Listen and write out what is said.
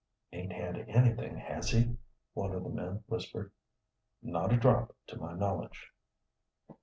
"Ain't had anything, has he?" one of the men whispered. "Not a drop to my knowledge."